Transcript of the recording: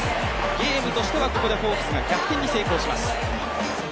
ゲームとしてはここでホークスが逆転に成功します。